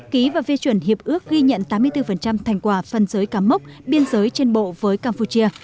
ký và phê chuẩn hiệp ước ghi nhận tám mươi bốn thành quả phân giới cắm mốc biên giới trên bộ với campuchia